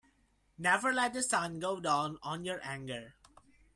Never let the sun go down on your anger.